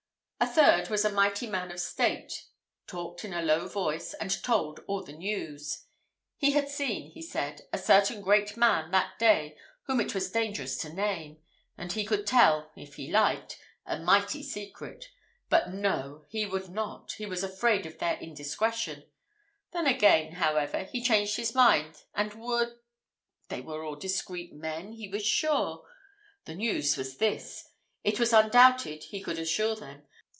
A third was a mighty man of state, talked in a low voice, and told all the news. He had seen, he said, a certain great man that day, whom it was dangerous to name; and he could tell, if he liked, a mighty secret but no, he would not he was afraid of their indiscretion; then again, however, he changed his mind, and would they were all discreet men, he was sure. The news was this, it was undoubted, he could assure them.